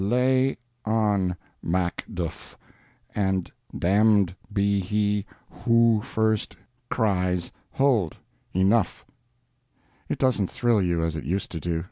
La on, Makduf, and damd be he hoo furst krys hold, enuf! It doesn't thrill you as it used to do.